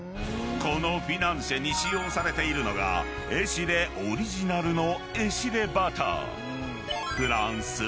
［このフィナンシェに使用されているのが「エシレ」オリジナルの］